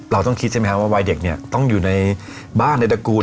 เราต้องคิดใช่ไหมครับว่าวัยเด็กเนี่ยต้องอยู่ในบ้านในตระกูล